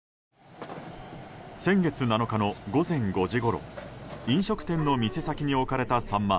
先月７日の午前５時ごろ飲食店の店先に置かれたサンマ